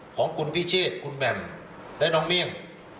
ของคุณพิเชษคุณแหม่มและน้องเมี่ยง